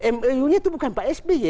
mou nya itu bukan pak sby